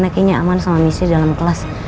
rena kayaknya aman sama missnya dalam kelas